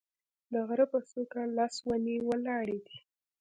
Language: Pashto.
د غره په څوک لس ونې ولاړې دي